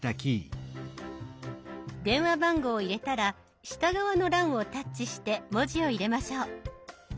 電話番号を入れたら下側の欄をタッチして文字を入れましょう。